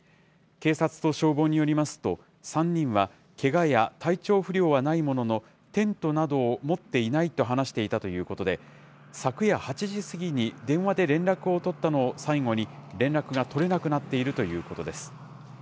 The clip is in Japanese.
警察と消防によりますと、３人はけがや体調不良はないものの、テントなどを持っていないと話していたということで、昨夜８時過ぎに電話で連絡を取ったのを最後に、連絡が取れなくなっているということです。